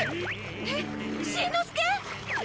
えっしんのすけ！？